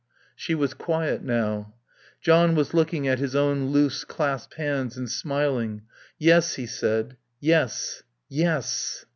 She was quiet now. John was looking at his own loose clasped hands and smiling. "Yes," he said, "yes. Yes."